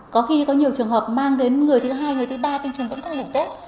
có khi có nhiều trường hợp mang đến người thứ hai người thứ ba tinh trùng vẫn không đủ tốt